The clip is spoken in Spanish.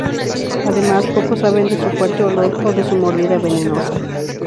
Además, pocos saben de su fuerte olor o de su mordida venenosa.